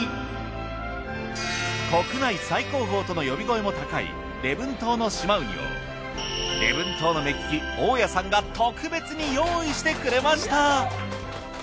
国内最高峰との呼び声も高い礼文島の島ウニを礼文島の目利き大矢さんが特別に用意してくれました。